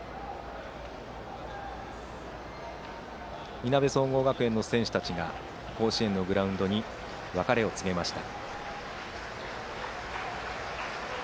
いなべ総合学園の選手たちが甲子園のグラウンドに別れを告げました。